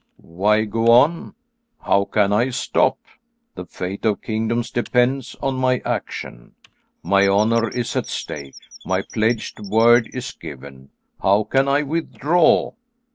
"Why go on; how can I stop? The fate of kingdoms depends on my action. My honour is at stake. My pledged word is given. How can I withdraw?"